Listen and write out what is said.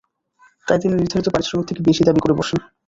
তাই তিনি নির্ধারিত পারিশ্রমিক থেকে বেশি দাবি করে বসেন।